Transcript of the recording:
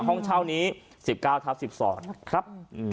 ห้องชาวนี้๑๙๑๒นะครับ